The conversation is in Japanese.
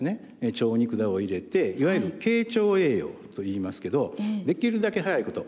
腸に管を入れていわゆる経腸栄養といいますけどできるだけ早いこと。